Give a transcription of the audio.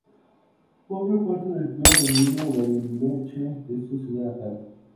Formaba parte del Club Andino Bariloche de su ciudad natal.